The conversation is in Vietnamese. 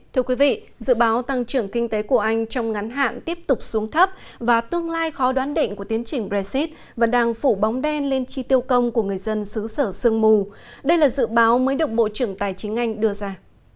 thưa quý vị dự báo tăng trưởng kinh tế của anh trong ngắn hạn tiếp tục xuống thấp và tương lai khó đoán định của tiến trình brexit và đang phủ bóng đen lên chi tiêu công của người dân xứ sở sương mù đây là dự báo mới được bộ trưởng tài chính anh đưa ra